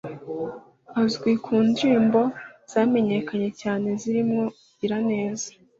Azwi ku ndirimbo zamenyekanye cyane zirimo Gira neza